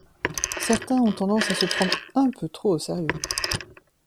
Certains ont tendance à se prendre un peu trop au sérieux.